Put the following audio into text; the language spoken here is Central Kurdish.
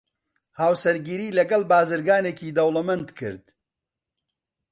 هاوسەرگیریی لەگەڵ بازرگانێکی دەوڵەمەند کرد.